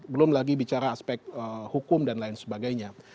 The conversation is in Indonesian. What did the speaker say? belum lagi bicara aspek hukum dan lain sebagainya